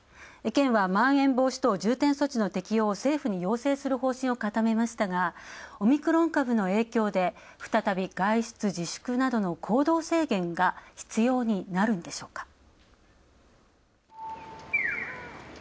県はまん延防止等重点措置の適用を政府に要請する方針を固めましたがオミクロン株の影響で再び外出自粛などの行動制限が必要になるんでしょうか。